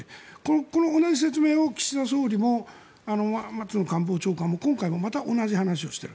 この説明を岸田総理も松野官房長官も今回もまた同じ話をしている。